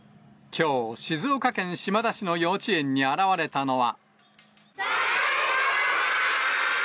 きょう、静岡県島田市の幼稚園に現れたのは。